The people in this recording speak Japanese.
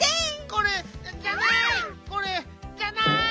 これじゃない。